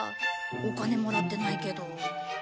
お金もらってないけど。